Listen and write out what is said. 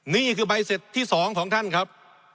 นี่คือใบเสร็จที่๒ของท่านครับ